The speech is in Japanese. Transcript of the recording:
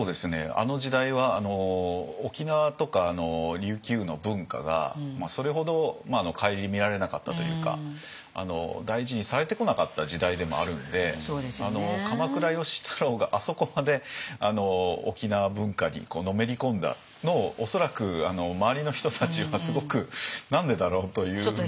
あの時代は沖縄とか琉球の文化がそれほど顧みられなかったというか大事にされてこなかった時代でもあるので鎌倉芳太郎があそこまで沖縄文化にのめり込んだのを恐らく周りの人たちはすごく何でだろう？というふうな。